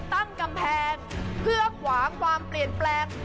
ตั้งกำแพงเพื่อขวางความเปลี่ยนแปลง